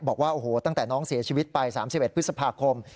บอกว่าโอ้โหตั้งแต่น้องเสียชีวิตไป๓๑พฤษภาคม